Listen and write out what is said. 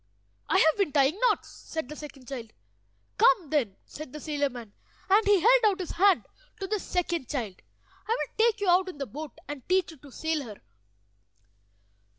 "I have been tying knots," said the second child. "Come, then," said the sailor man, and he held out his hand to the second child. "I will take you out in the boat, and teach you to sail her."